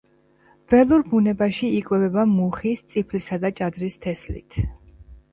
ველურ ბუნებაში იკვებება მუხის, წიფლისა და ჭადრის თესლით.